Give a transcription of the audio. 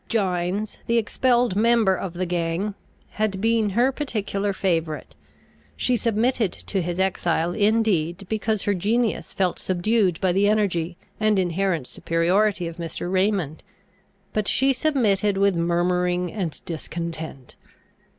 Gines, the expelled member of the gang, had been her particular favourite. She submitted to his exile indeed, because her genius felt subdued by the energy and inherent superiority of Mr. Raymond; but she submitted with murmuring and discontent.